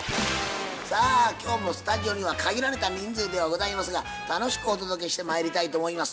さあ今日もスタジオには限られた人数ではございますが楽しくお届けしてまいりたいと思います。